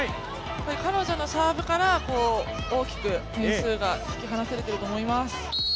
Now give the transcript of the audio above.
彼女のサーブから大きく点数が引き離せてると思います。